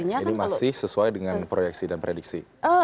ini masih sesuai dengan proyeksi dan prediksi